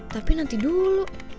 tapi nanti dulu